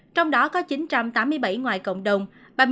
trong đó có chín trăm tám mươi bảy ngoài cộng đồng ba mươi một ba mươi năm